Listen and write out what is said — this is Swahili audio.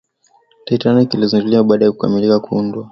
titanic ilizinduliwa baada ya kukamilika kuundwa